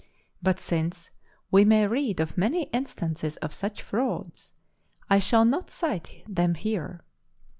But since we may read of many instances of such frauds, I shall not cite them here.